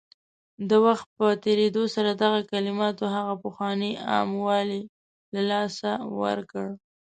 د وخت په تېرېدو سره دغه کلماتو هغه پخوانی عام والی له لاسه ورکړ